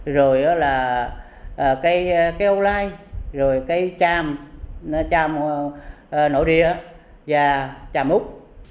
rồi đó là cây ô lai rồi cây tràm tràm nổ đia và tràm út